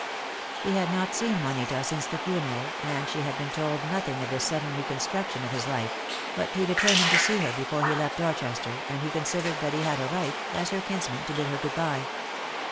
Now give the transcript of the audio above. He had not seen Juanita since the funeral, and she had been told nothing of this sudden reconstruction of his life; but he determined to see her before he left Dorchester, and he considered that he had a right, as her kinsman, to bid her good bye.